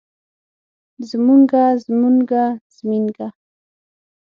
زمونږه زمونګه زمينګه